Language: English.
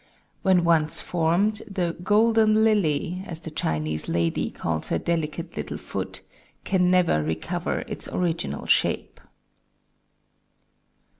When once formed, the "golden lily," as the Chinese lady calls her delicate little foot, can never recover its original shape.